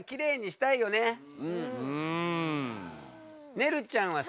ねるちゃんはさ